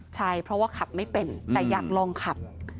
ใช่เพราะว่าขับไม่เป็นแต่อยากลองขับ